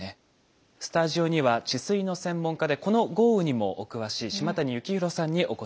スタジオには治水の専門家でこの豪雨にもお詳しい島谷幸宏さんにお越し頂きました。